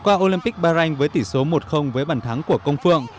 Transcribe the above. qua olympic bahrain với tỷ số một với bản thắng của công phượng